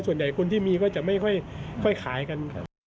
ส่วนใหญ่คนที่มีก็จะไม่ค่อยขายกันครับ